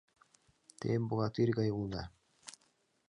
— Те богатырь гай улыда.